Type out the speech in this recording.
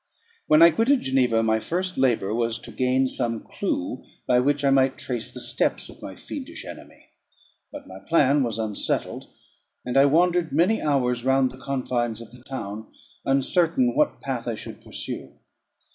When I quitted Geneva, my first labour was to gain some clue by which I might trace the steps of my fiendish enemy. But my plan was unsettled; and I wandered many hours round the confines of the town, uncertain what path I should pursue.